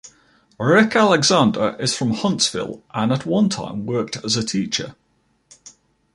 Rick Alexander is from Huntsville and at one time worked as a teacher.